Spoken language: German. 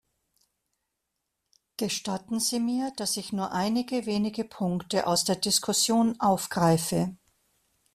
Gestatten Sie mir, dass ich nur einige wenige Punkte aus der Diskussion aufgreife.